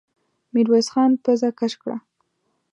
ميرويس خان پزه کش کړه.